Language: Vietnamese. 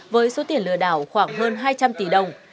với số tiền lừa đảo khoảng hơn hai trăm linh tỷ đồng